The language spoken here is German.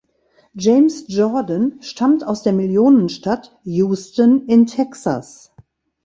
James Jordan stammt aus der Millionenstadt Houston in Texas.